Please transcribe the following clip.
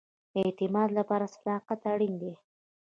د اعتماد لپاره صداقت اړین دی